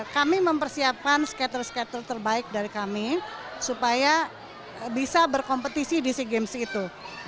kami mempersiapkan skater skater terbaik dari kami supaya bisa berkompetisi di sea games itu